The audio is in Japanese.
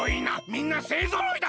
みんなせいぞろいだ！